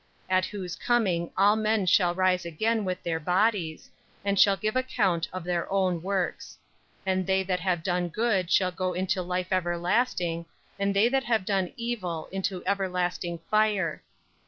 41. At whose coming all men shall rise again with their bodies; 42. and shall give account of their own works. 43. And they that have done good shall go into life everlasting and they that have done evil into everlasting fire.